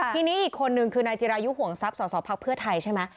ทีนี้อีกคนนึงคือนายจิรายุห่วงทรัพย์สอสอพักเพื่อไทยใช่ไหม